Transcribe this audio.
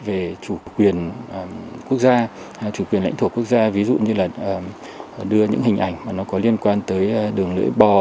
về chủ quyền quốc gia chủ quyền lãnh thổ quốc gia ví dụ như là đưa những hình ảnh mà nó có liên quan tới đường lưỡi bò